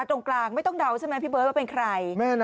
ตรงกลางไม่ต้องเดาใช่ไหมพี่เบิร์ตว่าเป็นใคร